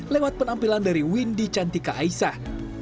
lewat penampilan dari windy cantika aisah